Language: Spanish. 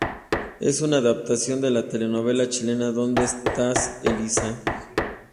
Es una adaptación de la telenovela chilena "¿Dónde está Elisa?".